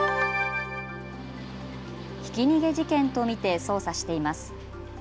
ひき逃げ事件と見て捜査しています。